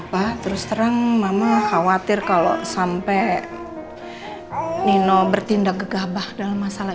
wah terus terang mama khawatir kalau sampai nino bertindak gegabah dalam masalah